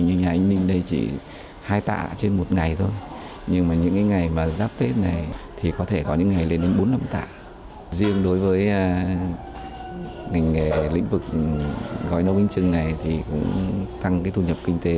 hãy đăng ký kênh để ủng hộ kênh của chúng mình nhé